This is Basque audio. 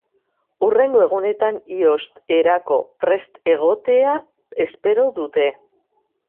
Hurrengo egunetan ios-erako prest egotea espero dute.